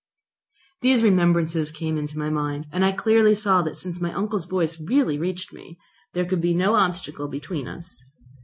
These remembrances came into my mind, and I clearly saw that since my uncle's voice really reached me, there could be no obstacle between us.